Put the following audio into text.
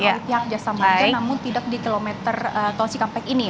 dari pihak jasa marga namun tidak di kilometer tol cikampek ini